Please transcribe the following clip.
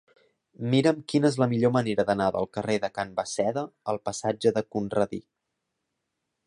Mira'm quina és la millor manera d'anar del carrer de Can Basseda al passatge de Conradí.